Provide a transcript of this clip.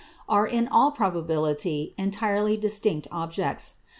are in all probability entirely distinct objects.